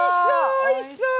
おいしそう！